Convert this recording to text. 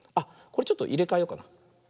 これちょっといれかえようかな。